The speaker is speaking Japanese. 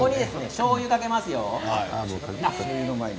しょうゆをかけます。